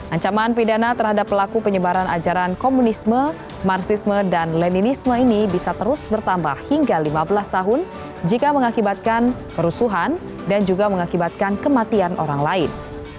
ancaman pidana terhadap pelaku penyebaran ajaran komunisme marsisme dan leninisme ini bisa terus bertambah hingga lima belas tahun jika mengakibatkan kerusuhan dan juga mengakibatkan kematian orang lain